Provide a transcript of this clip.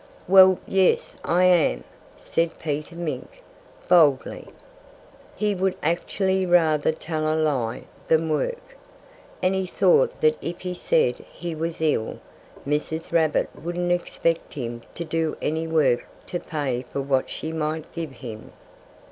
"Well yes, I am!" said Peter Mink, boldly. He would actually rather tell a lie than work. And he thought that if he said he was ill, Mrs. Rabbit wouldn't expect him to do any work to pay for what she might give him.